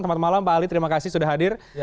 selamat malam pak ali terima kasih sudah hadir